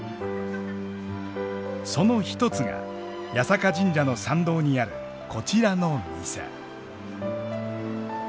その一つが八坂神社の参道にあるこちらの店。